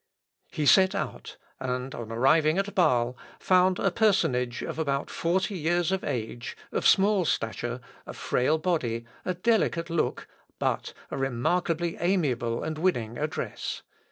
He set out, and on arriving at Bâle, found a personage of about forty years of age, of small stature, a frail body, a delicate look, but a remarkably amiable and winning address.